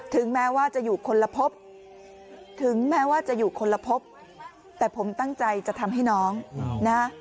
ถึงแม้ว่าจะอยู่คนละพบถึงแม้ว่าจะอยู่คนละพบแต่ผมตั้งใจจะทำให้น้องนะ